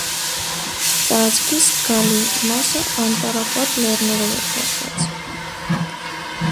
Տարածքի զգալի մասը անտառապատ լեռներով է պատված։